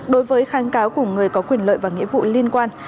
đối với kháng cáo của người có quyền lợi và nghĩa vụ liên quan